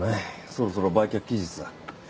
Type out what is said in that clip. そろそろ売却期日だ。